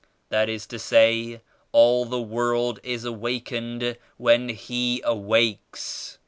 That is to say all the world is awakened when He awakes.